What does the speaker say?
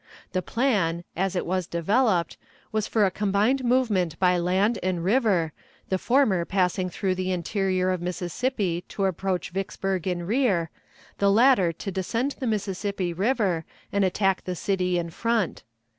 The plan, as it was developed, was for a combined movement by land and river, the former passing through the interior of Mississippi to approach Vicksburg in rear, the latter to descend the Mississippi River and attack the city in front.